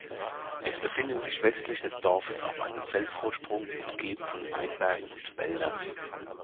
Es befindet sich westlich des Dorfes auf einem Felsvorsprung, umgeben von Weinbergen und Wäldern.